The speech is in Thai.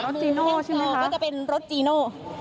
ก็จะเป็นรถจีโน